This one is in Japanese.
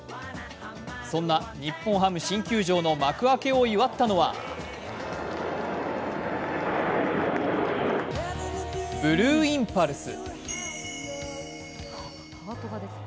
そんな日本ハム新球場の幕開けを祝ったのはブルーインパルス。